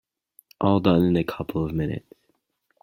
All done in a couple of minutes.